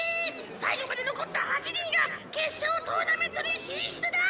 最後まで残った８人が決勝トーナメントに進出だ！